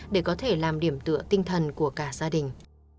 để có thể làm điểm tựa tinh thần của cả gia đình